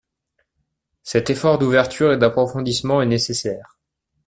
Cet effort d’ouverture et d’approfondissement est nécessaire.